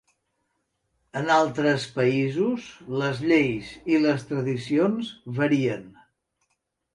En altres països les lleis i les tradicions varien.